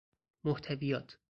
محتویات